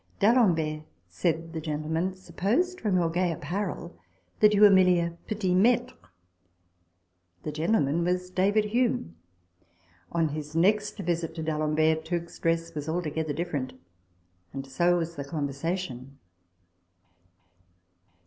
" D'Alembert," said the gentleman, " supposed from your gay apparel that you were merely a petit maitre." The gentleman was David Hume. On his next visit to D'Alembert, Tooke's dress was altogether different ; and so was the con versation.